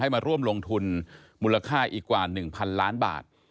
มาร่วมลงทุนมูลค่าอีกกว่า๑๐๐๐ล้านบาท